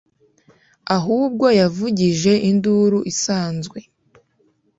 ahubwo yavugije Induru isanzwe